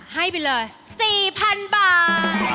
ให้ไปเลย๔๐๐๐บาท